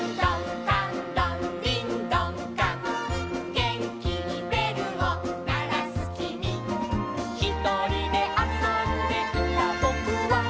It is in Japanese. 「げんきにべるをならすきみ」「ひとりであそんでいたぼくは」